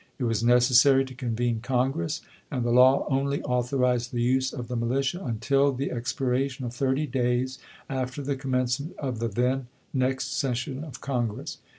It was necessary to convene Congress, and the law only authorized the use of the militia " until the expiration of thirty days after the commencement of the then next session of Congress."